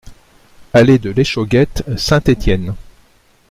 Allée de l'Échauguette, Saint-Étienne